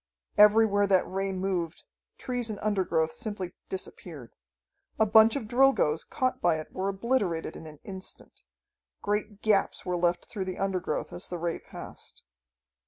Everywhere that ray moved, trees and undergrowth simply disappeared. A bunch of Drilgoes, caught by it, were obliterated in an instant. Great gaps were left through the undergrowth as the ray passed.